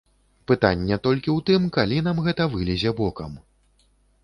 Пытанне толькі ў тым, калі нам гэта вылезе бокам.